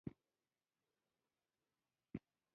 په سيمه کې د وردګو خوږې مڼې ډېر لوړ شهرت لري